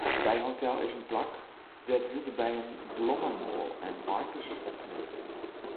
In bijehotel is in plak dêr't wylde bijen blommemoal en aaikes efterlitte kinne.